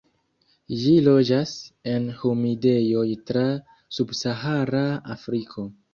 Ĝi loĝas en humidejoj tra subsahara Afriko.